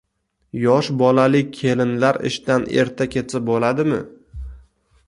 Yosh bolali kelinlar ishdan erta ketsa bo`ladimi?